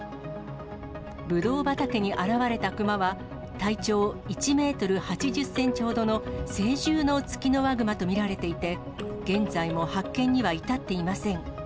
ブドウ畑に現れたクマは、体長１メートル８０センチほどの成獣のツキノワグマと見られていて、現在も発見には至っていません。